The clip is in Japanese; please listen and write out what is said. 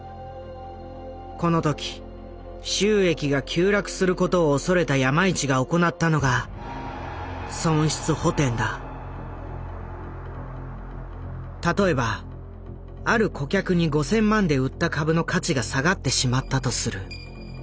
この時収益が急落することを恐れた山一が行ったのが例えばある顧客に５，０００万で売った株の価値が下がってしまったとする。